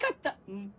うん。